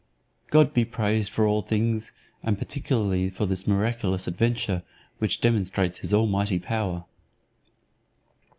God be praised for all things, and particularly for this miraculous adventure, which demonstrates his almighty power."